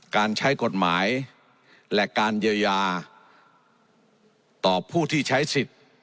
การใช้กฎหมายและการเยียวยาต่อผู้ที่ใช้สิทธิ์